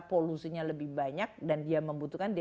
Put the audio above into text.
polusinya lebih banyak dan dia membutuhkan dia